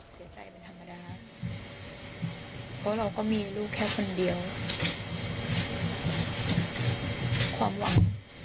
เสียใจเป็นธรรมดาเพราะเราก็มีลูกแค่คนเดียวความหวัง